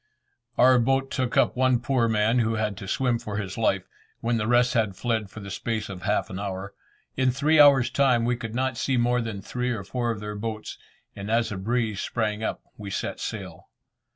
Our boat took up one poor man who had to swim for his life, when the rest had fled for the space of half an hour. In three hours' time, we could not see more than three or four of their boats, and as a breeze sprang up we set sail.